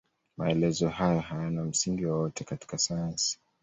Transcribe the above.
Maelezo hayo hayana msingi wowote katika sayansi.